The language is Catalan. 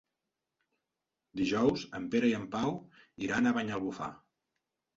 Dijous en Pere i en Pau iran a Banyalbufar.